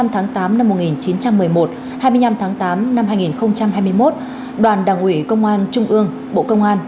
một mươi tháng tám năm một nghìn chín trăm một mươi một hai mươi năm tháng tám năm hai nghìn hai mươi một đoàn đảng ủy công an trung ương bộ công an